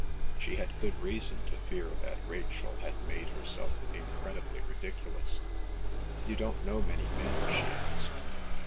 She had good reason to fear that Rachel had made herself incredibly ridiculous. "You don't know many men?" she asked.